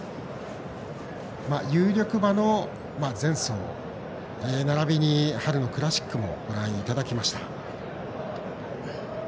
有力馬の前走、並びに春のクラシックもご覧いただきました。